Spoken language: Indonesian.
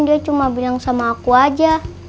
dia cuma bilang sama aku aja